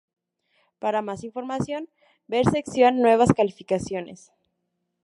Para más información ver sección "Nuevas clasificaciones".